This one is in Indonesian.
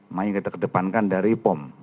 memang yang kita kedepankan dari pom